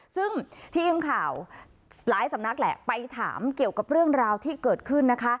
ซึ่งทีมข่าวหลายสำนักแหละไปถามเกี่ยวกับเรื่องราวที่เกิดขึ้นนะคะ